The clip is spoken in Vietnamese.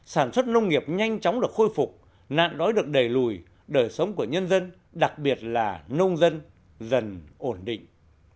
sản xuất nông nghiệp nhanh chóng được khôi phục nạn đói được đẩy lùi đời sống của nhân dân đặc biệt là nông dân dần ổn định